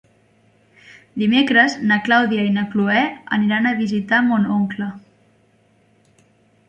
Dimecres na Clàudia i na Cloè aniran a visitar mon oncle.